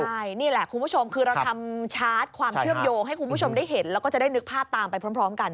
ใช่นี่แหละคุณผู้ชมคือเราทำชาร์จความเชื่อมโยงให้คุณผู้ชมได้เห็นแล้วก็จะได้นึกภาพตามไปพร้อมกัน